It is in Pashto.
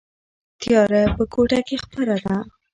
تیاره په کوټه کې خپره ده.